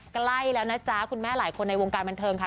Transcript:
ใกล้แล้วนะจ๊ะคุณแม่หลายคนในวงการบันเทิงค่ะ